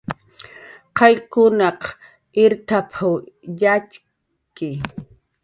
"Qayllkunaq irt""ap"" yatxki"